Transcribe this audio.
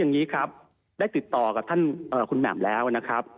อย่างนี้ครับได้ติดต่อกับท่านคุณแหม่มแล้วนะครับ